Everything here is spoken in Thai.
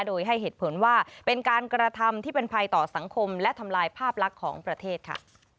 โดยให้เหตุผลว่าเป็นการกระทำที่เป็นภัยต่อสังคมและทำลายภาพลักษณ์ของประเทศค่ะ